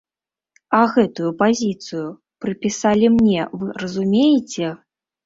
А гэтую пазіцыю прыпісалі мне, вы разумееце?